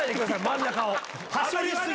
真ん中を。